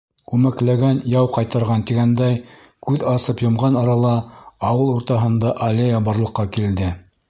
Күмәкләгән — яу ҡайтарған тигәндәй, күҙ асып йомған арала ауыл уртаһында аллея барлыҡҡа килде.